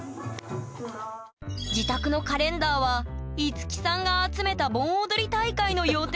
自宅のカレンダーは樹さんが集めた盆踊り大会の予定がびっしり！